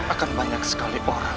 akan banyak sekali orang